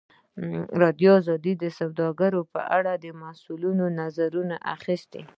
ازادي راډیو د سوداګري په اړه د مسؤلینو نظرونه اخیستي.